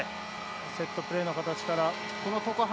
セットプレーの形から。